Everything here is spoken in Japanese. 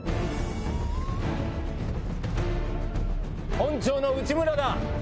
本庁の内村だ。